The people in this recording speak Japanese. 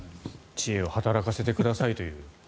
知恵を働かせてくださいという。